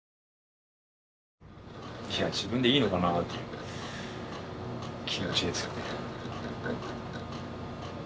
自分でいいのかなという気持ちですよね。